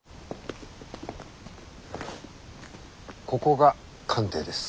ここが官邸です。